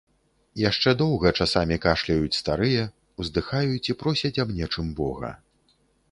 Яшчэ доўга часамі кашляюць старыя, уздыхаюць і просяць аб нечым бога.